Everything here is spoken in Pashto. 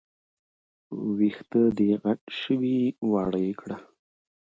وېښته دې غټ شوي دي، واړه يې کړه